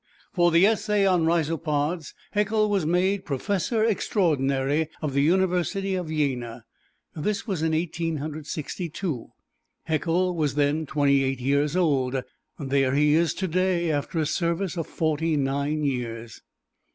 For the essay on Rhizopods, Haeckel was made Professor Extraordinary of the University of Jena. This was in Eighteen Hundred Sixty two; Haeckel was then twenty eight years old; there he is today, after a service of forty nine years.